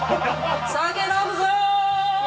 酒飲むぞ！